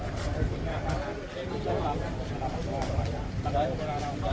ขอบคุณครับครับครับครับ